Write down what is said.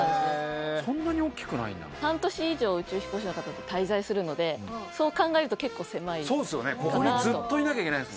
半年以上宇宙飛行士の方は滞在するのでそう考えると結構狭いかなと。